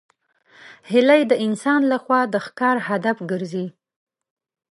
هیلۍ د انسان له خوا د ښکار هدف ګرځي